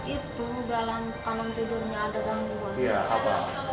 itu dalam kanong tidurnya ada gangguan